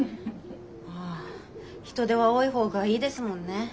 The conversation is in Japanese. ああ人手は多い方がいいですもんね。